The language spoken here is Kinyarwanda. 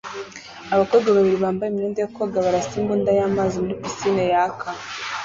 Abakobwa babiri bambaye imyenda yo koga barasa imbunda y'amazi muri pisine yaka